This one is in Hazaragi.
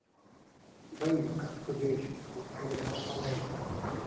بݷرو قئد کوزې شی تو مݷ رۂ الݷ